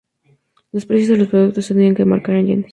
Los precios de los productos se tenían que marcar en yenes.